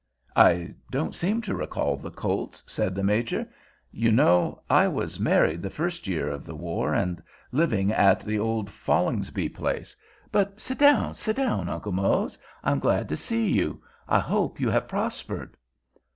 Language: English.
"I don't seem to recall the colts," said the Major. "You know. I was married the first year of the war and living at the old Follinsbee place. But sit down, sit down, Uncle Mose. I'm glad to see you. I hope you have prospered."